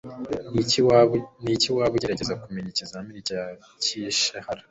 Niki Waba Ugerageza Kumenya Ikizamini cya ishihara